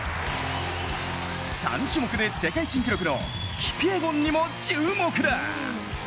３種目で世界新記録のキピエゴンにも注目だ。